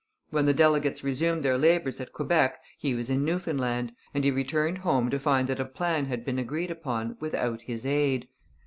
When the delegates resumed their labours at Quebec he was in Newfoundland, and he returned home to find that a plan had been agreed upon without his aid.